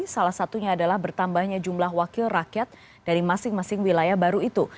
salah satunya adalah bertambahnya jumlah wakil rakyat dari masing masing wilayah baru itu